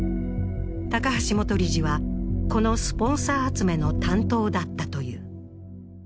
高橋元理事は、このスポンサー集めの担当だったという。